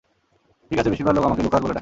ঠিক আছে, বেশিরভাগ লোক আমাকে লুকাস বলে ডাকে।